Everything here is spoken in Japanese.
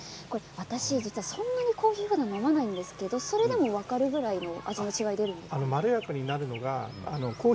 私はそんなにコーヒーを飲まないんですが、それでも分かるぐらいの味の違いですか？